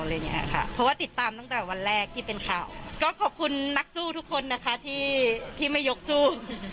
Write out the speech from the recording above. เพราะว่าติดตามตั้งแต่วันแรกที่เป็นข่าวก็ขอบคุณนักสู้ทุกคนนะคะที่ที่ไม่ยกสู้